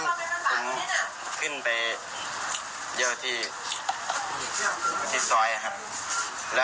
อ๋อแล้วส่วนน้องผู้ชายเห็นเองเอกราชอย่างไรบ้างลูก